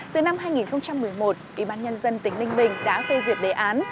từ năm hai nghìn một mươi một ủy ban nhân dân tỉnh ninh bình đã phê duyệt đề án